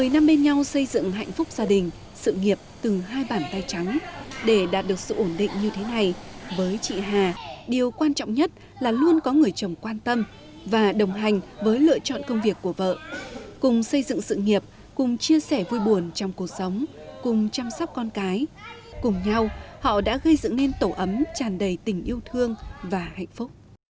một mươi năm bên nhau xây dựng hạnh phúc gia đình sự nghiệp từ hai bàn tay trắng để đạt được sự ổn định như thế này với chị hà điều quan trọng nhất là luôn có người chồng quan tâm và đồng hành với lựa chọn công việc của vợ cùng xây dựng sự nghiệp cùng chia sẻ vui buồn trong cuộc sống cùng chăm sóc con cái cùng nhau họ đã gây dựng nên tổ ấm tràn đầy tình yêu thương và hạnh phúc